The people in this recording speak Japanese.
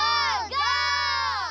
ゴー！